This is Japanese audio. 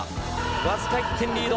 僅か１点リード。